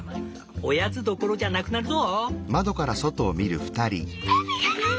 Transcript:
おやつどころじゃなくなるぞ！」